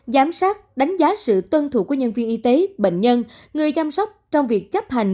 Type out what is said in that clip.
giám sát đánh giá sự tuân thủ của nhân viên y tế bệnh nhân người chăm sóc trong việc chấp hành